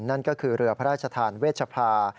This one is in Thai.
นั่นก็คือเรือพระราชทานเวชภา